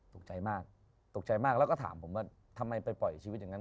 ตกใจมากตกใจมากแล้วก็ถามผมว่าทำไมไปปล่อยชีวิตอย่างนั้น